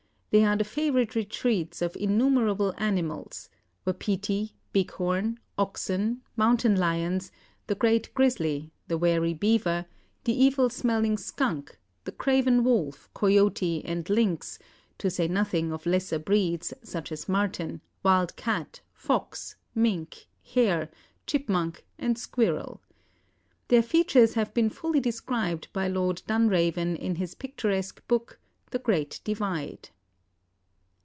They are the favourite retreats of innumerable animals wapiti, bighorn, oxen, mountain lions, the great grizzly, the wary beaver, the evil smelling skunk, the craven wolf, cayote and lynx, to say nothing of lesser breeds, such as marten, wild cat, fox, mink, hare, chipmonk, and squirrel. Their features have been fully described by Lord Dunraven in his picturesque book, "The Great Divide."